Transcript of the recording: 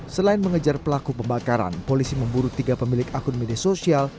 selain mengejar pelaku pembakaran polisi memburu tiga pemilik akun media sosial